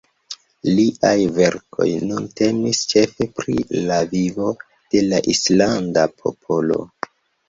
Liaj verkoj nun temis ĉefe pri la vivo de la islanda popolo.